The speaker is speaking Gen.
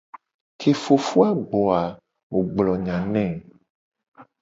Ke ye fofo a gbo a mu gblo nya ne.